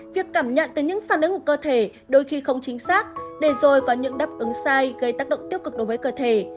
việc cảm nhận từ những phản ứng của cơ thể đôi khi không chính xác để rồi có những đáp ứng sai gây tác động tiêu cực đối với cơ thể